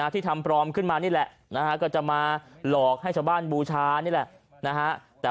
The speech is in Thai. ที่ทำปลอมขึ้นมานี่แหละก็จะมาหลอกให้ชาวบ้านบูชานี่แหละนะฮะ